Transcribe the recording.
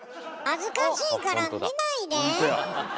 恥ずかしいから見ないで！